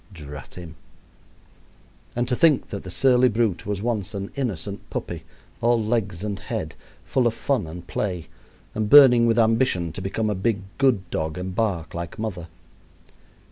Drat him! And to think that the surly brute was once an innocent puppy, all legs and head, full of fun and play, and burning with ambition to become a big, good dog and bark like mother.